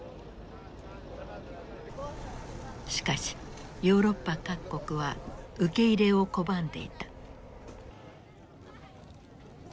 しかしヨーロッパ各国は受け入れを拒んでいた。